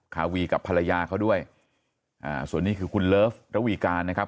คาวีกับภรรยาเขาด้วยอ่าส่วนนี้คือคุณเลิฟระวีการนะครับ